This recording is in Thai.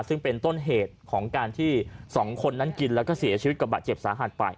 ซึ่งเป็นต้นเหตุของการที่สองคนนั้นกินแล้วก็เสียชีวิตกับบาดเจ็บสาหัสไป